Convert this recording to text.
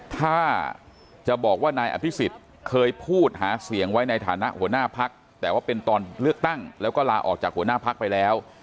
ถ้าจะบอกว่านายอภิษฎเคยพูดหาเสียงไว้ในฐานะหัวหน้าพักแต่ว่าเป็นตอนเลือกตั้งแล้วก็ลาออกจากหัวหน้าพักไปแล้ว